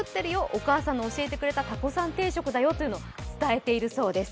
お母さんの教えてくれたタコさん定食だよと伝えているそうです。